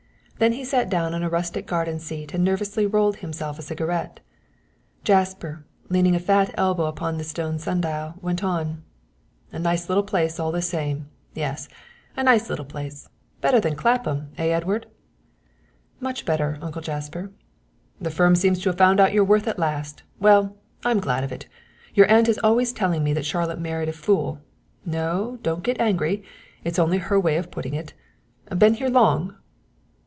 Then he sat down on a rustic garden seat and nervously rolled himself a cigarette. Jasper, leaning a fat elbow upon the stone sundial, went on. "A nice little place all the same, yes, a nice little place. Better than Clapham, eh, Edward?" "Much better, uncle Jasper." "The firm seems to have found out your worth at last. Well, I'm glad of it. Your aunt is always telling me that Charlotte married a fool no, don't get angry, that's only her way of putting it. Been here long?"